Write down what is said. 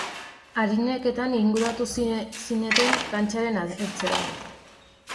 Arineketan inguratu zineten plantxaren ertzera.